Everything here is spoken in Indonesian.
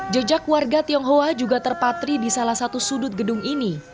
jejak warga tionghoa juga terpatri di salah satu sudut gedung ini